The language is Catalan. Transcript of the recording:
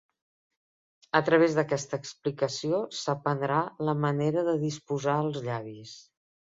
A través d'aquesta explicació s'aprendrà la manera de disposar els Llavis.